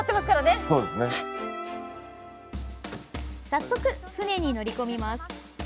早速、船に乗り込みます。